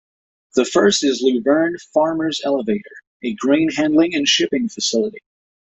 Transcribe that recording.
The first is Luverne Farmers Elevator, a grain handling and shipping facility.